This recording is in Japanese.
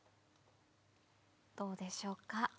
どうでしょうか？